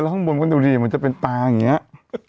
ข้างบนก็ดูดิเหมือนจะเป็นตาอย่างนี้